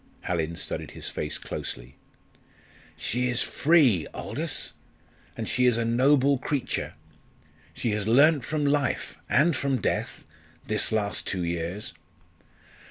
Hallin studied his face closely. "She is free, Aldous and she is a noble creature she has learnt from life and from death this last two years.